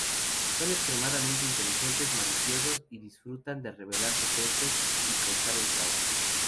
Son extremadamente inteligentes, maliciosos, y disfrutan de revelar secretos y causar el caos.